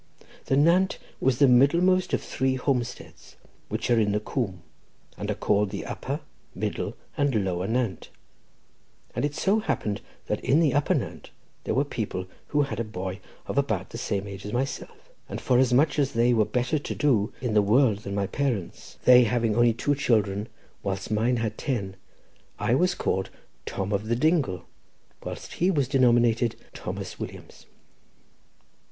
The Nant was the middlemost of three homesteads, which are in the Coom, and are called the Upper, Middle, and Lower Nant; and it so happened that in the Upper Nant there were people who had a boy of about the same age as myself, and forasmuch as they were better to do in the world than my parents, they having only two children, whilst mine had ten, I was called Tom of the Dingle, whilst he was denominated Thomas Williams."